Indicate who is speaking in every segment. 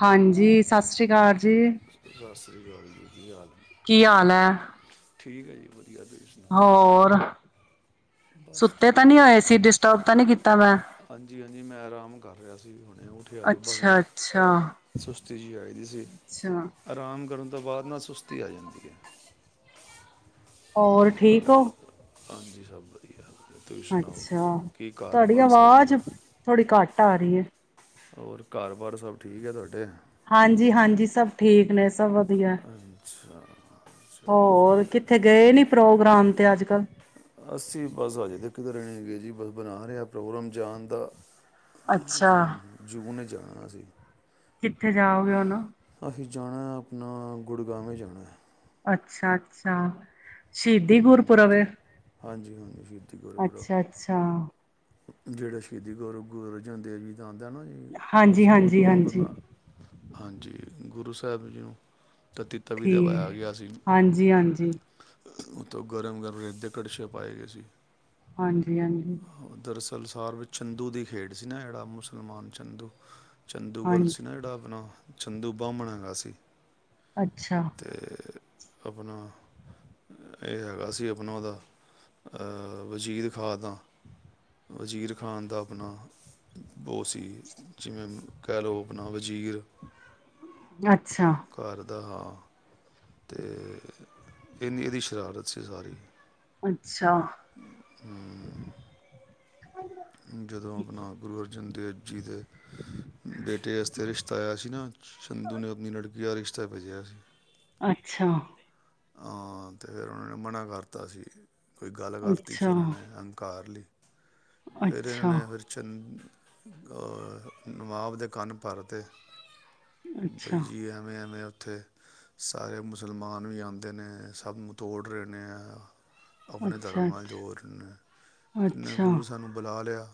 Speaker 1: ਹਾਂਜੀ ਸਤਿ ਸ਼੍ਰੀ ਅਕਾਲ ਜੀ,
Speaker 2: ਸਤਿ ਸ਼੍ਰੀ ਅਕਾਲ ਜੀ ਕੀ ਹਾਲ ਹੈ
Speaker 1: ਕੀ ਹਾਲ ਹੈ
Speaker 2: ਠੀਕ ਹੈ ਜੀ
Speaker 1: ਹੋਰ
Speaker 2: ਬਸ ਠੀਕ ਹੈ ਹਾਂਜੀ-ਹਾਂਜੀ ਮੈਂ ਆਰਾਮ ਕਰ ਰਿਹਾ ਸੀ, ਹੁਣੇ ਉਠਿਆ ਸੀ ਬਸ ਮੈਂ ਸੁਸਤੀ ਜੀ ਆਈ ਦੀ ਸੀ ਆਰਾਮ ਕਰਨ ਉਹ ਤੋਂ ਬਾਅਦ ਨਾ ਸੁਸਤੀ ਆ ਜਾਂਦੀ ਹੈ
Speaker 1: ਹੋਰ ਠੀਕ ਹੋ
Speaker 2: ਹਾਂਜੀ ਸਭ ਵਧੀਆ
Speaker 1: ਅੱਛਾ, ਤੁਹਾਡੀ ਆਵਾਜ਼ ਥੋੜੀ ਘੱਟ ਆ ਰਹੀ ਹੈ
Speaker 2: ਹੋਰ ਘਰ-ਬਾਹਰ ਸਭ ਠੀਕ ਹੈ ਤੁਹਾਡੇ
Speaker 1: ਹਾਂਜੀ-ਹਾਂਜੀ ਸਭ ਠੀਕ ਨੇ
Speaker 2: ਅੱਛਾ ਚਲੋ ਜੀ ਵਧੀਆ, ਅੱਸੀ ਬਸ ਹਜੇ ਤੇ ਰਹਿ ਗਏ ਜੀ ਬਸ ਬਣਾ ਰਿਹਾ ਪ੍ਰੋਗਰਾਮ ਜਾਣ ਦਾ ਹਾਂ ਜੀ [unintelligible] ਜਾਣਾ ਅਸੀਂ
Speaker 1: ਕਿੱਥੇ ਜਾਓਗੇ ਹੂਣ
Speaker 2: ਅਸੀਂ ਜਾਣਾਆਪਣਾ ਗੁੜਗਾਉਂ ਜਾਣੈਂ
Speaker 1: ਅੱਛਾ-ਅੱਛਾ ਸ਼ਹੀਦੀ ਗੁਰਪੁਰਬ ਏ
Speaker 2: ਹਾਂਜੀ-ਹਾਂਜੀ [unintelligible]
Speaker 1: ਅੱਛਾ-ਅੱਛਾ
Speaker 2: ਜਿਹੜਾ ਸ਼ਹੀਦੀ ਸ਼੍ਰੀ ਗੁਰੂ ਅਰਜਨ ਦੇਵ ਜੀ ਆਦੇਂ ਨਾ ਜੀ ਬਸ ਉਦੋਂ ਅਪਣਾ ਹਾਂਜੀ ਗੁਰੂ ਸਾਹਿਬ ਜੀ ਨੂੰ
Speaker 1: ਠੀਕ, ਹਾਂਜੀ-ਹਾਂਜੀ
Speaker 2: ਉੱਤੋਂ ਗਰਮ-ਗਰਮ ਰੇਤੇ ਕੜਛੇ ਪਾਏ ਗਏ ਸੀ
Speaker 1: ਹਾਂਜੀ-ਹਾਂਜੀ
Speaker 2: ਦਰਅਸਲ ਸਾਰ ਵਿੱਚ ਚੰਦੂ ਦੀ ਖੇਡ ਸੀ ਨਾ ਜਿਹੜਾ ਮੁਸਲਮਾਨ ਚੰਦੂ ਚੰਦੂ ਗੁਲ ਸੀ ਨਾ ਜਿਹੜਾ ਆਪਣਾ ਚੰਦੂ ਬਾਹਮਣ ਹੈਗਾ ਸੀ
Speaker 1: ਅੱਛਾ
Speaker 2: ਆਪਣਾ ਇਹ ਹੈਗਾ ਸੀ ਆਪਣਾ ਉਹਦਾ ਵਜ਼ੀਰ ਖਾਂ ਦਾਂ ਵਜ਼ੀਰ ਖ਼ਾਂ ਦਾ ਆਪਣਾ ਓ ਸੀ ਜਿਵੇਂ ਕਹਿ ਲਓ ਆਪਣਾ ਵਜ਼ੀਰ
Speaker 1: ਅੱਛਾ
Speaker 2: ਹਾਂ, ਤੇ ਇਹਨੀ ਇਹਦੀ ਸ਼ਰਾਰਤ ਸੀ ਸਾਰੀ
Speaker 1: ਅੱਛਾ [inaudible]
Speaker 2: ਜਦੋਂ ਆਪਣਾ ਗੁਰੂ ਅਰ- ਗੁਰੂ ਅਰਜਨ ਦੇਵ ਜੀ ਦੇਵ ਜੀ ਦੇ ਬੇਟੇ ਆਸਤੇ ਰਿਸ਼ਤਾ ਆਇਆ ਸੀ ਨਾ, ਸ਼ੰਦੂ ਨੇ ਆਪਣੀ ਲੜਕੀ ਦਾ ਰਿਸ਼ਤਾ ਭੇਜਿਆ ਸੀ।
Speaker 1: ਅੱਛਾ
Speaker 2: ਹਾਂ ਤੇ ਫਿਰ ਉਹਨਾਂ ਨੇ ਮਨਾ ਕਰਤਾ ਸੀ। ਕੋਈ ਗੱਲ ਕਰਤੀ ਸ਼ਿਰਾ ਨੇ ਅੰਕਾਰ ਲਈ। ਫਿਰ ਇਨਾ ਨੇ ਫਿਰ ਚੰ ਨਵਾਬ ਦੇ ਕੰਨ ਭਰਦੇ ਬਾਈ ਜੀ ਹਮੇ ਹਮੇ, ਉੱਥੇ ਸਾਰੇ ਮੁਸਲਮਾਨ ਵੀ ਆਦੇ ਨੇ ਸਭ ਨੂੰ ਤੋੜ ਰਹੇ ਨੇ ਆਪਣੇ ਧਰਮ ਨਾਲ ਜੋੜ ਨਾ। ਗੁਰੂ ਸਾਨੂੰ ਆ ਲਿਆ।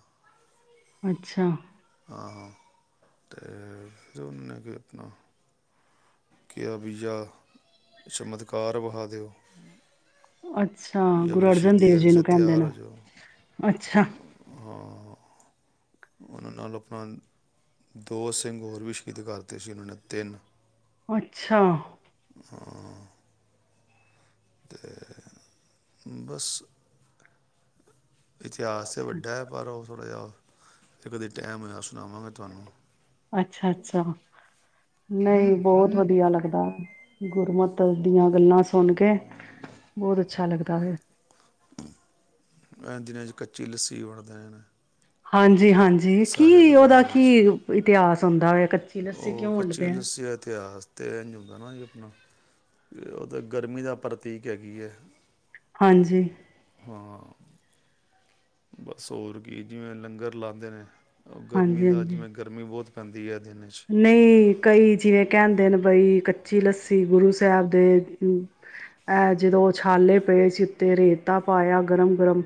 Speaker 1: ਅੱਛਾ,
Speaker 2: ਹਾਂ ਤੇ ਦੋ ਗਿਤਣਾ ਕਿਹਾ ਵੀ ਜਾਂ ਚਮਤਕਾਰ ਵਖਾ ਦਿਉ।
Speaker 1: ਅੱਛਾ ਗੁਰੂ ਅਰਜਨ ਦੇਵ ਜੀ ਨੂੰ ਕਹਿੰਦੇ ਨੇ ਅੱਛਾ
Speaker 2: ਉਹਨਾਂ ਲੋਕਾ ਨੇ ਦੋ ਸਿੰਘ ਹੋਰ ਵੀ ਸ਼ਹੀਦ ਕਰਤੇ ਸੀ, ਉਹਨਾਂ ਨੇ ਤਿੰਨ ਹਾਂ ਅਤੇ ਬਸ। ਇਤਿਹਾਸ ਵੱਡਾ ਹੈ, ਪਰ ਉਹ ਥੋੜ੍ਹਾ ਜਿਹਾ। ਇੱਕ ਦਿਨ ਟੈਮ ਹੋਇਆ ਸੀ।
Speaker 1: ਅੱਛਾ ਅੱਛਾ ਨਹੀਂ ਬਹੁਤ ਵਧੀਆ ਲੱਗ ਗੁਰਮਤ ਦੀਆਂ ਗੱਲਾਂ ਸੁਣ ਕੇ ਬਹੁਤ ਅੱਛਾ ਲੱਗਦਾ ਹੈ।
Speaker 2: ਇਹ ਦਿਨਾਂ ਚ ਕੱਚੀ ਲੱਸੀ ਵੰਡਦੇ ਨੇ।
Speaker 1: ਹਾਂਜੀ ਜੀ ਹਾਂਜੀ ਕੀ ਉਹਦਾ ਕੀ ਇਤਿਹਾਸ ਧੰਦਾ ਏ। ਕੱਚੀ ਲੱਸੀ ਕਿਉਂ ਵੰਡਦੇ ਆ?
Speaker 2: ਅਤੇ ਇੰਝ ਹੁੰਦਾ ਨਾ ਜੀ ਆਪਣਾ, ਉਹ ਤਾਂ ਗਰਮੀ ਦਾ ਪ੍ਰਤੀਕ ਹੈਗੀ ਏ।
Speaker 1: ਹਾਂਜੀ,
Speaker 2: ਹਾਂ। ਬਸ ਹੋਰ ਕੀ ਜਿਵੇਂ ਲੰਗਰ ਲਾਦੇ ਨੇ। ਗਰਮੀ ਦਾ ਅੱਜ ਮੈਂ ਗਰਮੀ ਬਹੁਤ ਆਂਦੀ ਹੈ।
Speaker 1: ਨਹੀਂ ਕਈ ਜਿਵੇਂ ਕਹਿੰਦੇ ਨੇ ਬਈ ਕੱਚੀ ਲੱਸੀ ਗੁਰੂ ਸਾਹਿਬ ਦੇ ਏਹ ਜਦੋਂ ਛਾਲੇ ਪਏ ਸੀ, ਉੱਤੇ ਰੇਤਾ ਪਾਇਆ ਗਰਮ ਗਰਮ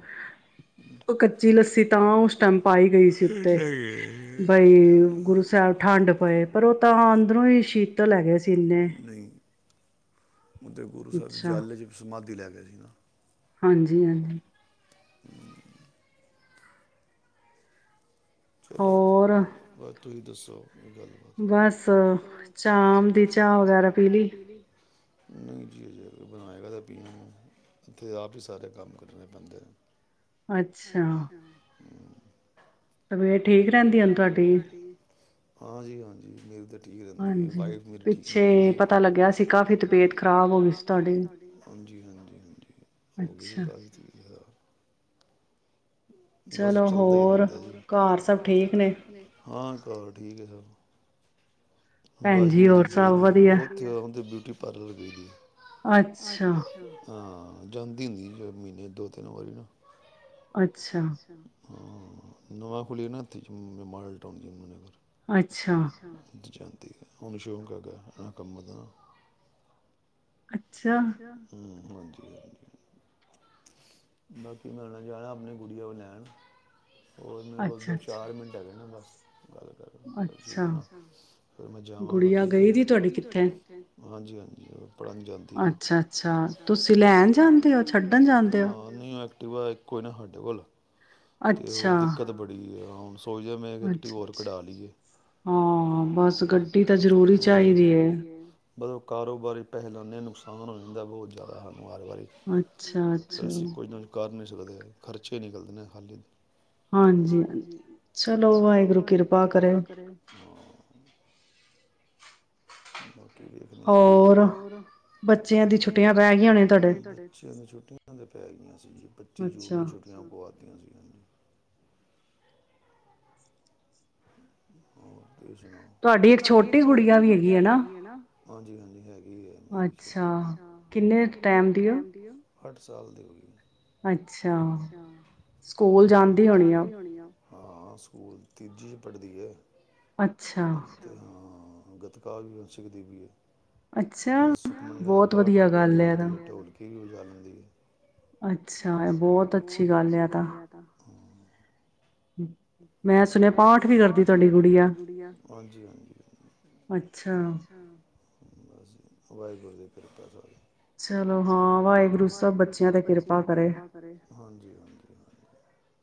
Speaker 1: ਉਹ ਕੱਚੀ ਲੱਸੀ ਤਾਂ ਉਹ ਸਟੈਂਪ ਪਾਈ ਗਈ ਸੀ ਉੱਤੇ ਬਈ ਗੁਰੂ ਸਾਹਿਬ ਠੰਡ ਪਏ ਪਰ ਉਹ ਤਾਂ ਅੰਦਰੋਂ ਹੀ ਸ਼ੀਤਲ ਹੈ ਗਏ ਸੀ। ਤਿੰਨੇ
Speaker 2: ਉਹਦੇ ਗੁਰੂ ਸਾਹਿਬ ਜਲ ਚ ਸਮਾਧੀ ਲੈਲੀ, [unintelligible]
Speaker 1: ਹਾਂਜੀ ਹਾਂਜੀ
Speaker 2: ਚਲੋ ਬਸ ਤੁਸੀਂ ਦੱਸੋ।
Speaker 1: ਬਸ ਚਾਹ ਦੀ ਚਾਹ ਵਗੈਰਾ ਪੀ ਲਈ
Speaker 2: [unintelligible] ਅੱਛਾ,
Speaker 1: ਤਵੀਅਤ ਠੀਕ ਰਹਿੰਦੀ ਹੁਣ ਤੁਹਾਡੀ,
Speaker 2: ਹਾਂਜੀ ਹਾਂਜੀ ਮੇਰੀ ਤਾ, ਠੀਕ ਰਹਿੰਦੀ ਐ ਵਾਈਫ ਮੇਰੀ ਠੀਕ ਨੀ ਰਹਿੰਦੀ ਪਤਾ ਲਗੀਆ ਸੀ ਕਾਫ਼ੀ ਤਬੀਅਤ ਖਰਾਬ ਹੋਗੀ ਤੁਹਾਡੀ ਹਾਂਜੀ ਹਾਂਜੀ ਹੋਗੀ ਸੀ ਕਾਫੀ ਤਬੀਅਤ ਖਰਾਬ ਬਸ ਚਲਦਾ ਹੀ ਰਹਿੰਦਾ ਐ ਹੋਰ ਘਰ ਸਭ ਠੀਕ ਨੇ ਹਾਂ ਸਭ ਠੀਕ ਨੇ ਬਸ ਮੈਰੀ ਗਲੀ ਦੀ ਉਥੇ ਬਿਊਟੀ ਪਰ [unintelligible] ਅੱਛਾ ਹਾਂ, [unintelligible] ਜਾਂਦੀ ਹੁੰਦੀ ਐ ਮਹੀਨੇ ਦੋ ਤਿੰਨ ਵਾਰੀ ਨਾ ਅੱਛਾ, ਹਾਂ ਨਵਾ ਖੁਲਿਆ ਨਾ ਉਥੇ ਮਾਲ ਟਾਊਨ ਜੰਮੂ-ਨਗਰ,
Speaker 1: ਅੱਛਾ
Speaker 2: ਜਾਦੀ ਐ ਉਹਨੂੰ ਸ਼ੌਕ ਹੈਗਾ ਆ ਕੰਮ ਦਾ ਅੱਛਾ ਹੁੰ, [unintelligible] ਬਾਕੀ ਮੈਂ ਤਾ ਜਾ ਰਿਹਾ ਆਪਣੀ ਗੁੜੀਆਂ ਨੁੰ ਲੈਣ। ਹੋਰ ਮੇਰੇ ਕੋਲ ਦੋ ਚਾਰ ਮਿੰਟ ਹੈਗੇ ਨੇ ਬਸ
Speaker 1: ਅੱਛਾ
Speaker 2: ਫਿਰ ਮੈਂ ਜਾ ਆਵਾ ਠੀਕ ਆ ਗੁੜੀਆ ਗਈ ਜੀ ਤੁਹਾਡੀ ਕਿਥੇ। ਹਾਂਜੀ ਹਾਂਜੀ ਔ, ਪੜਨ ਜਾਦੀ ਨੀ ਅੱਛਾ ਅੱਛਾ ਤੁਸੀ ਲੈਣ ਜਾਦੇ ਔ ਛੱਡਣ ਜਾਦੇ ਔ ਨਹੀ ਐਕਟਿਵਾ ਇਕੋ ਐ ਨਾ ਸਾਡੇ ਕੋਲ ਦਿੱਕਤ ਬੜੀ ਆ। ਸੋਚਿਆ ਮੈਂ ਐਕਟੀਵਾ ਹੋਰ ਕਢਾ ਲਈਏ। ਹਾਂ ਬਸ ਗੱਡੀ ਤਾਂ ਜਰੂਰੀ ਚਾਹੀਦਾ ਏ, ਬਸ ਕਾਰੋਬਾਰੀ ਪੈਸੇ ਲਾਉਂਦੇ ਨੁਕਸ ਨੁਕਸਾਨ ਹੋ ਜਾਂਦਾ ਬਹੁਤ ਜ਼ਿਆਦਾ। ਾਰ ਵਾਰੀ ਅਸੀਂ ਕੁੱਝ ਨਾ ਕੁ ਕਾਰਨ [unintelligible] ਕਦੇ - ਕਦੇ ਖਰਚੇ ਹੀ ਨਿਕਲਦੇ ਨੇ ਖਾਲੀਵ ਹਾਂਜੀ ਚਲੋ ਵਾਹਿਗੁਰੂ ਕਿਰਪਾ ਕਰੇ, ਹਾ ਬ ਵੇਖਦੇ ਆ ਕੀ ਹੋਦਾ, ਹੋਰ ਬੱਚਿਆਂ ਦੀ ਛੁੱਟੀਆਂ ਪੈ ਗਿਆਂ ਹੋਇਆਂ ਤੁਡੇ, ਬੱਚਿਆਂ ਦੀ ਛੁੱਟੀਆਂ ਤੇ ਪੈ ਗਈਆਂ ਸੀ ਪੱਚੀ ਜੂਨ ਨੂੰ ਛੁੱਟੀਆਂ ਪੁਵਾਤੀਆਂ ਸੀ। ਹੋਰ ਸੁਣਾੳ, ਤੁਹਾਡੀ ਇੱਕ ਛੋਟੀ ਗੁੜੀਆ ਵੀ ਹੈਗੀ ਹੈ ਨਾ। ਹਾਂਜੀ - ਹਾਂਜੀ ਹੈ
Speaker 1: ਅੱਛਾ ਕਿੰਨੇ ਟਾਈਮ ਦੀ ਉਹ
Speaker 2: ਅੱਠ ਸਾਲ ਦੀ ਹੋ ਗਈ
Speaker 1: ਅੱਛਾ, ਸਕੂਲ ਜਾਂਦੀ ਹੋਣੀ ਆ।
Speaker 2: ਹਾਂ, ਸਕੂਲ ਤੀਜੀ ਚ ਪੜ੍ਹਦੀ ਹੈ ਅੱਛਾ, ਹਾ ਗਤਕਾ ਵੀ ਹੁਣ ਸਿਖਦੀ ਪਈ ਹੈ। ਸੁਖਮਣੀਆਂ ਦਾ ਪਾਠ ਵੀ ਕਰ ਲੈਂਦੀ ਆ ਢੋਲਕੀ ਵੀ [unintelligible] ਗੱਲ ਹੁੰਦੀ ਹੈ।
Speaker 1: ਅੱਛਾ, ਇਹ ਬਹੁਤ ਅੱਛੀ ਗੱਲ ਹੈ ਇਹ ਤਾਂ, ਮੈਂ ਸੁਣਿਆਂ ਪਾਠ ਵੀ ਕਰਦੀ ਤੁਹਾਡੀੇ ਕੁੜੀ
Speaker 2: ਤੇ ਤੁਹਾਡੀ ਗੁੜੀਆ, ਹਾਂਜੀ ਹਾਂਜੀ ਅੱਛਾ ਬਸ ਜੀ ਵਾਹਿ ਗੁਰੂ ਦੀ ਕਿਰਪਾ ਹੈ ਸਾਰੀ। ਚਲੋ ਹਾਂ ਵਾਹਿਗੁਰੂ ਸਾਬ ਬੱਚਿਆਂ ਤੇ ਕਿਰਪਾ ਕਰੇ, ਹਾਂਜੀ- ਹਾਂਜੀ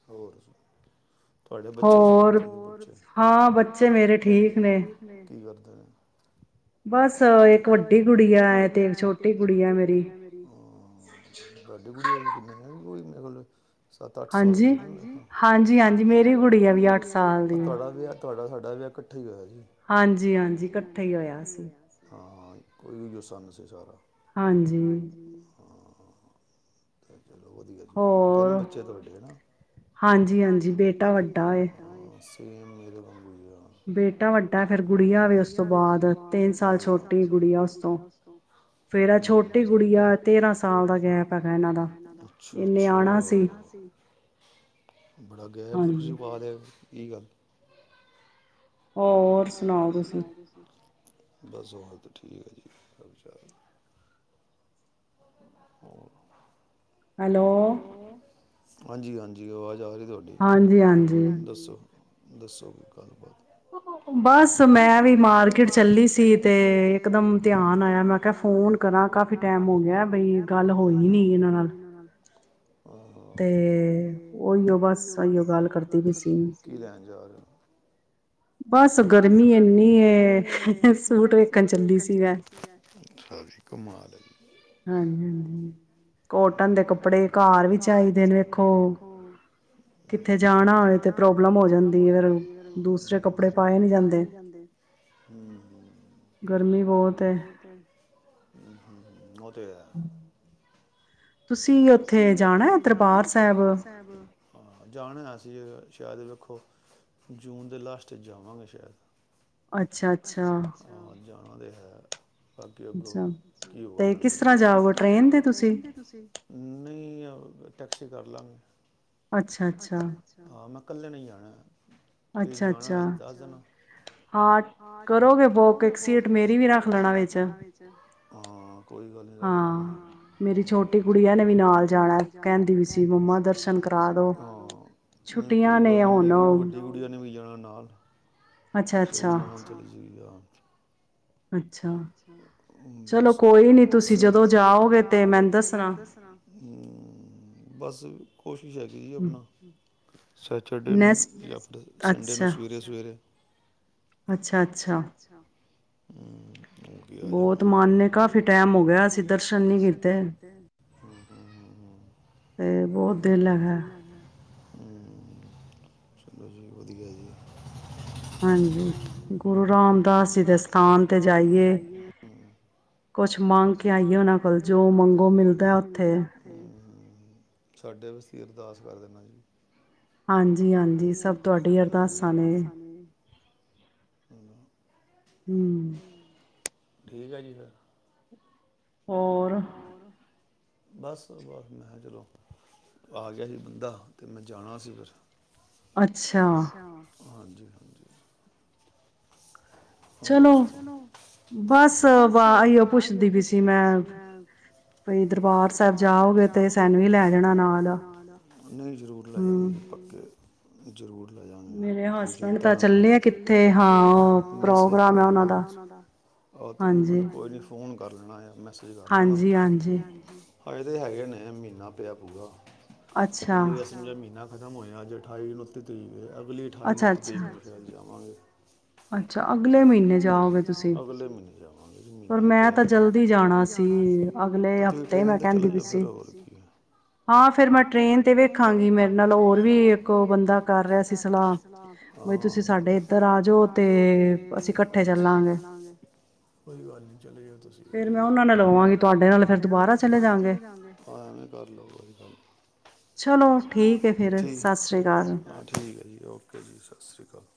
Speaker 2: ਹੋਰ ਸੁਣਾ ਔ। ਤੁਹਾਡੇ ਬੱਚੇ ਸੁਣਾਓ, ਹੋਰ ਠੀਕ ਨ ਬੱਚੇ
Speaker 1: ਹਾਂ, ਬੱਚੇ ਮੇਰੇ ਠੀਕ ਨੇਂ
Speaker 2: ਕੀ ਕਰਦੇ ਨੇ। ਬਸ ਇੱਕ ਵੱਡੀ ਗੁੜੀਆ ਤੇ ਇਕ ਛੋਟੀ ਗੁੜੀਆ ਆ ਮੇਰੀ, ਹਾ ਤੁਹਾਡੀ ਗੁੜੀਆ ਵੀ ਕਿਨੇ ਉਹ ਮੈਂਰੇ ਕੋਲ [inaudible] ਸਤ ਅੱਠ ਸਾਲ ਦੀ ਹੋਣੀ, ਹਾਂਜੀ ਹਾਂਜੀ ਹਾਂਜੀ ਮੇਰੀ ਗੁੜੀਆ ਵੀ ਅੱਠ ਸਾਲ ਦੀ, ਤੁਹਾਡਾ ਵਿਆਹ ਤੁਹਾਡਾ ਸਾਭਾ ਵਿਆਹ ਇਕੱਠਾ ਹੀ ਹੋਇਆ ਸ
Speaker 1: ਹਾਂਜੀ - ਹਾਂਜੀ ਇਕੱਠਾ ਹੀ ਹੋਇਆ ਸੀ।
Speaker 2: ਹਾਂ ਕੋਈ ਵੀ ਗੁੱਸਾ ਨਹੀਂ ਸੀ ਸਾਰਾ [unintelligible]
Speaker 1: ਹਾਂਜੀ।
Speaker 2: [inaudible] ਤਿੰਨ ਬੱਚੇ ਥੋਡੇ ਹਨਾਂ ਹਾਂਜੀ ਹਾਂਜੀ ਬੇਟਾ ਵੱਡਾ ਏ [inaudible] ਬੇਟਾ ਵੱਡਾ ਫੇਰ ਗੁੱਡੀਆ ਵੀ ਉਸਤੋਂ ਬਾਦ ਤਿੰਨ ਸਾਲ ਛੋਟੀ ਗੁੱਡੀਆ ਉਸ ਤੋਂ ਮੇਰਾ ਛੋਟੀ ਗੁੱਡੀਆ ਤੇਰਾਂ ਸਾਲ ਦਾ ਗੇਪ ਹੈਗਾ ਇਹਨਾ ਦਾ ਅੱਛਾ ਨਿਆਣਾ ਸੀ ਬੜਾ ਗੇਪ [unintelligible] ਕੀ ਗੱਲ
Speaker 1: ਹੋਰ ਸੁਣਾਓ ਤੁਸੀਂ
Speaker 2: ਬਸ ਹੋਰ ਤੇ ਠੀਕ ਹੈ ਜੀ [unintelligible] ਹਾਂ
Speaker 1: ਹੈਲੋ।
Speaker 2: ਹਾਂਜੀ ਹਾਂਜੀ ਆਵਾਜ ਆ ਰਹੀ ਤੁਹਾਡੀ ਹਾਂਜੀ ਹਾਂਜੀ ਦੱਸੋ ਦੱਸੋ ਕੋਈ ਗੱਲਬਾਤ
Speaker 1: [inaudible] ਬਸ ਮੈਂ ਵੀ ਮਾਰਕੀਟ ਚੱਲੀ ਸੀ ਤੇ ਇਕ ਦਮ ਧਿਆਨ ਆਇਆ ਮੈਂ ਕਿਹਾ ਫੋਨ ਕਰਾਂ ਕਾਫੀ ਟਾਈਮ ਹੋ ਗਿਆ ਬਈ ਗੱਲ ਹੋਈ ਨੀ ਇਹਨਾਂ ਨਾਲ ਤੇ ਉਹੀਓ ਬਸ ਓਹਿਓ ਗੱਲ ਕਰਦੀ ਪਈ ਸੀ
Speaker 2: ਬਸ ਗਰਮੀ ਇੰਨੀ ਏ ਸੂਟ ਵੇਖਣ ਚੱਲੀ ਸੀ ਮੈਂ ਅੱਛਾ ਜੀ ਕਮਾਲ ਏ
Speaker 1: ਹਾਂਜੀ ਹਾਂਜੀ ਕੋਟਨ ਦੇ ਕੱਪੜੇ ਘਰ ਵੀ ਚਾਹੀਦੇ ਨੇ ਵੇਖੋ ਕਿੱਥੇ ਜਾਣਾ ਹੋਵੇ ਤੇ ਪ੍ਰੋਬਲਮ ਹੋ ਜਾਂਦੀ ਹੈ ਫੇਰ ਦੂਸਰੇ ਕੱਪੜੇ ਪਾ
Speaker 2: ਕੱਪੜੇ ਪਾਏ ਨਹੀਂ ਜਾਂਦੇ ਗਰਮੀ ਬਹੁਤ ਏ [inaudible] ਤ [unintelligible] ਤੁਸੀਂ ਉੱਥੇ ਜਾਣਾ ਦਰਬਾਰ ਸਾਹਿਬ ਜਾਣਾ [unintelligible] ਸ਼ਾਇਦ ਵੇਖੋ ਜੂਨ ਦੇ ਲਾਸਟ ਚ ਜਾਵਾਂਗੇ ਸ਼ਾਇਦ ਅੱਛਾ ਅੱਛਾ ਜਾਣਾ ਤੇ ਹੈ ਬਾਕੀ ਅੱਗੋ [unintelligible] ਤੇ ਕਿਸ ਤਰਾਂ ਜਾਓਗੇ ਤੁਸੀ ਟ੍ਰੇਨ ਤੇ ਤੁਸੀ ਨਹੀਂ ਅ ਟੈਕਸੀ ਕਰ ਲਾਂਗੇ ਅੱਛਾ ਅੱਛਾ ਹਾਂ ਨਾ ਇਕੱਲੇ ਨੇ ਹੀ ਜਾਣਾ ਤੁਸੀਂ ਜਾਣਾ ਦੱਸ ਦੇਨਾ। ਹਾਂ ਕਰੋਗੇ ਬੁੱਕ ਇੱਕ ਸੀਟ ਮੇਰੀ ਵੀ ਰੱਖ ਲੈਣਾ ਵਿੱਚ ਹਾਂ ਕੋਈ
Speaker 1: ਹਾਂ ਮੇਰੀ ਛੋਟੀ ਕੁੜੀਆਂ ਨੇ
Speaker 2: ਗੁੱਡੀਆ ਨੇ ਵੀ ਨਾਲ ਜਾਣਾ ਕਹਿੰਦੀ ਵੀ ਸੀ ਮਮਾ ਦਰਸ਼ਨ ਕਰਾ ਦੋ ਨਹੀਂ ਕੋਈ ਗੱਲ ਨੀ ਮੇਰੀ ਵੱਡੀ ਗੁੱਡੀਆ ਵੀ ਜਾਣਾ ਨਾਲ ਤੂੰ ਵੀ ਨਾਲ ਚਲੀ ਜਿ ਆ। ਅੱਛਾ ਬਸ ਚਲੋ ਕੋਈ ਨ ਤੁਸੀਂ ਜਦੋਂ ਜਾਓਗੇ ਤੇ ਮੈਨ ਦਸ ਬਸ ਕੋਸ਼ਿਸ਼ ਹੈਗੀ ਜੀ ਆਪਣਾ, ਸੈਟਰਡੇ ਨੂੰ ਜਾਂ [inaudible] ਸੰਡੇ ਨੂੰ ਸਵੇਰੇ-ਸਵੇਰੇ।
Speaker 1: ਅੱਛਾ ਅੱਛਾ।
Speaker 2: ਉਹ ਗਿਆ ਜ਼ਮਾ, ਮਾਨੇ ਕਾਫ਼ੀ ਟਾਈਮ ਹੋ ਗਿਆ ਅਸੀਂ ਦਰਸ਼ਨ ਨਹੀਂ ਕੀਤੇ।
Speaker 1: ਤੇ ਬਹੁਤ ਦਿਲ ਲਗਾ।
Speaker 2: ਚਲੋ ਜੀ ਵਧੀਆ ਜੀ।
Speaker 1: ਹਾਂਜੀ ਗੁਰੂ ਰਾਮਦਾਸ ਜੀ ਦੇ ਸਥਾਨ ਤੇ ਜਾਈਏ ਕੁਛ
Speaker 2: ਕੁਛ ਮੰਗ ਕੇ ਆਈ ਨਾਂ ਕਰ, ਜੋ ਮੰਗੋ ਮਿਲਦਾ ਉਥੇ। ਸਾਡੇ [inaudible] ਅਰਦਾਸ ਕਰ ਦੇਣਾ ਜੀ। ਠੀਕ ਹੈ ਜੀ ਸਰ।
Speaker 1: ਹੋਰ
Speaker 2: ਬਸ ਬਸ ਮੈਂ ਚਲੋ, ਆ ਗਿਆ ਸੀ ਬੰਦਾ ਤੇ ਮੈਂ ਜਾਣਾ ਸੀ ਫਿਰ। [unintelligible] ਅੱਛਾ। ਹਾਂ [unintelligible] ਹੋਰ ਸੁਣਾਓ! ਚਲੋ ਬਸ ਵਓ ਪੁੱਛਦੀ ਵੀ ਸੀ ਮੈਂ ਦਰਬਾਰ ਸਾਹਿਬ ਜਾਓਗੇ ਤੇ ਸੈਨੂੰ ਹੀ ਲੈ ਜਾਣਾ ਨਾਲ। ਨਹੀਂ ਜਰੂਰ ਲੈ ਜਾਂਗੇ ਪੱਕੇ। ਜ਼ਰੂਰ ਲੈ ਜਾਂਗੇ। ਤੁਸੀਂ ਚਿੰਤਾ ਨਾ ਕਰੋ, ਚਲੀ ਆ ਕਿਤੇ ਹਾਂ। ਮੇਸ ਪ੍ਰੋਗਰਾਮ ਏ ਓਨਾਂ ਦਾ ਉਹ ਤੁਸੀਂ ਮਨੂੰ ਕੋਈ ਨੀ ਫੋ ਫੋਨ ਕਰ ਲੈਣਾ ਆ ਮੈਂ। ਸਹੀ ਗੱਲ ਐ ਨਾਂ! ਹਾਂਜੀ ਹਾਂਜੀ। ਹਜੇ ਤਾਂ ਹੈਗੇ ਨੇ ਮਹੀਨਾ ਪਿਆ ਪੂਰਾ। [unintelligible] ਮਤਲਬ ਵੀ ਅ ਸਮਝੋ ਮਹੀਨਾ ਖਤਮ ਹੋਆ ਅੱਜ ਅਠਾਈ ਉਨੱਤੀ ਤਰੀਕ ਐ। ਅ ਅਗਲੀ ਅਠਾਈ ਉਨੱਤੀ ਤਰੀਕ ਨੂੰ ਫਿਰ ਜਾਵਾਂਗੇ। ਅੱਛਾ ਅਗਲੇ ਮੀਨੇ ਜਾਓਗੇ, ਅਗਲੇ ਮੀਨੇ ਜਾਂਵਾਂਗੇ। ਮੀਨਾਂ ਪਿਆ ਮੈਂ ਤਾਂ ਜਲਦੀ ਜਾਣਾ ਸੀ। ਤੇ ਤੁਹੀ ਟੇ੍ਨ ਤੇ ਚਲੇ ਜਾਓ ਫਿਰ ਹੋਰ ਕਿ ਏ! ਹਾਂ ਫਿਰ ਮੈਂ ਟ੍ਰੇਨ ਤੇ ਵੇਖਾਂਗੀ ਮੇਰੇ ਨਾਲ ਹੋਰ ਵੀ ਬੰਦਾ ਕਰ ਰਿਹਾ ਸੀ ਸਲਾ ਬਈ ਤੁਸੀ ਸਾਡੇ ਇਧਰ
Speaker 1: ਤੇ
Speaker 2: ਤੇ ਅਸੀ ਕੱਠੇ ਚੱਲਾਗੇ, ਕੋਈ ਗੱਲ ਨੀ ਚਲੇ ਜਾਏ ਤੁਸੀ ਫਿਰ ਮੈਂ ਉਹਨਾ ਨਾਲ ਹੋਵੇਗੀ ਤੁਹਾਡੇ ਨਾਲ ਫਿਰ ਦੁਬਾਰਾ ਚਲੀ ਜਾਵਾਂਗੇ ਹਾਂ ਐਵੇ ਕਰਲੋ ਫਿਰ ਐਵੇ ਕਰਲੋ, ਚਲੋ ਠੀਕ ਐ ਠੀਕ ਐ ਸਤਿ ਸ੍ਰੀ ਅਕਾਲ ਹਾਂ ਠੀਕ ਐ ਜੀ ਔਕੇ ਜੀ ਸਤਿ ਸ੍ਰੀ ਅਕਾਲ,